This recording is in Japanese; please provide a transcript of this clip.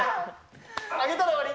上げたら終わり。